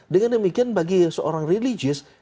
dengan demikian bagi seorang religius